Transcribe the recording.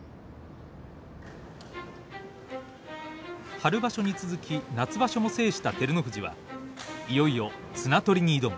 春場所に続き夏場所も制した照ノ富士はいよいよ綱取りに挑む。